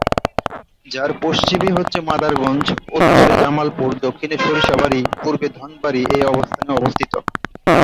যার পশ্চিমে হচ্ছে মাদারগঞ্জ, উত্তরে জামালপুর, দক্ষিণে সরিষাবাড়ী, পূর্বে ধনবাড়ী এই অবস্থানে অবস্থিত।